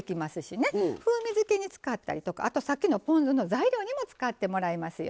風味づけに使ったりとかあとさっきのポン酢の材料にも使ってもらえますよ。